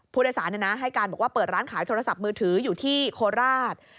ผู้โดยสารให้การบอกว่าเปิดร้านขายโทรศัพท์มือถืออยู่ที่โคราช